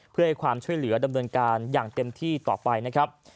เพื่อให้ความช่วยเหลือดำเนินการอย่างเต็มที่ต่อไปนะครับ